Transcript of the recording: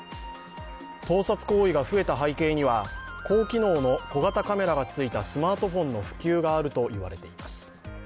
盗撮行為が増えた背景には高機能の小型カメラがついたスマートフォンの普及があるといわれています。